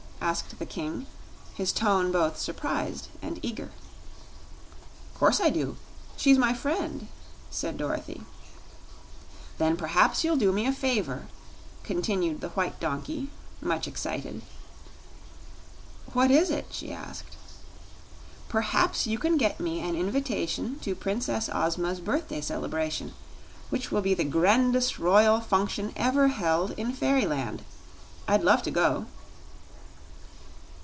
asked the King, his tone both surprised and eager. "'Course I do; she's my friend," said Dorothy. "Then perhaps you'll do me a favor," continued the white donkey, much excited. "What is it?" she asked. "Perhaps you can get me an invitation to Princess Ozma's birthday celebration, which will be the grandest royal function ever held in Fairyland. I'd love to go."